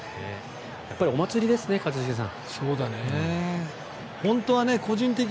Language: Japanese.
やっぱりお祭りですね一茂さん。